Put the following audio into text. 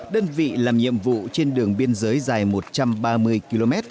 đơn vị làm nhiệm vụ trên đường biên giới dài một trăm ba mươi km